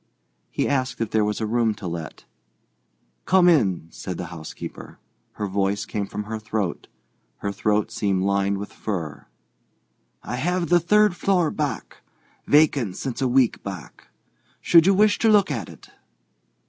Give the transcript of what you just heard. He asked if there was a room to let. "Come in," said the housekeeper. Her voice came from her throat; her throat seemed lined with fur. "I have the third floor back, vacant since a week back. Should you wish to look at it?"